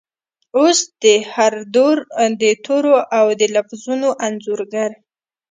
اوس د هردور دتورو ،اودلفظونو انځورګر،